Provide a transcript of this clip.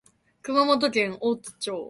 熊本県大津町